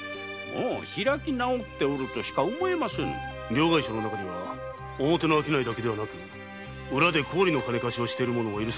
両替商の中には表の商いだけではなく裏で高利の金貸しをしている者がいるそうではないか？